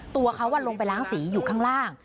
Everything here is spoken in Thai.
ตัวเขาลงไปล้างสีอยู่ข้างล่าง